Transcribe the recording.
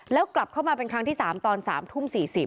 แล้วกลับเข้ามาเป็นครั้งที่๓ตอน๓ทุ่ม๔๐